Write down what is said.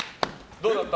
どうだった？